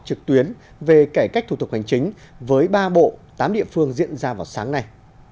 trực tuyến về cải cách thủ tục hành chính với ba bộ tám địa phương diễn ra vào sáng nay